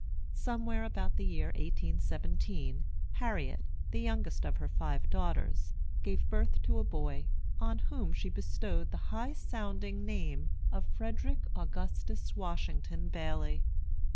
Somewhere about the year 1817, Harriet, the youngest of her five daughters, gave birth to a boy, on whom she bestowed the high sounding name of Frederick Augustus Washington Baily.